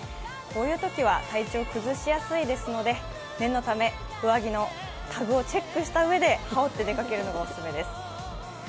こういうときは体調を崩しやすいですので念のため上着のタグをチェックしたうえで、羽織って出かけるのがオススメです。